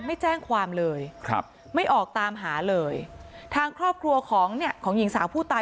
ไม่แจ้งความเลยไม่ออกตามหาเลยทางครอบครัวของหญิงสาวผู้ตาย